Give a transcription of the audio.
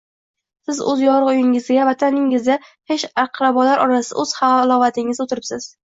Siz o‘z yorug‘ uyingizda, vataningizda, xesh-aqrabolar orasida, o‘z halovatingizda o‘tiribsiz.